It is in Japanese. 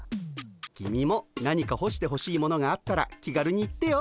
君も何かほしてほしいものがあったら気軽に言ってよ。